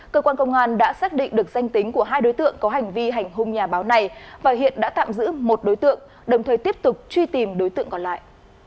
cơ quan công an đã xác định được danh tính của hai đối tượng có hành vi hành hung nhà báo này và hiện đã tạm giữ một đối tượng đồng thời tiếp tục truy tìm đối tượng còn lại